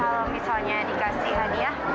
kalau misalnya dikasih hadiah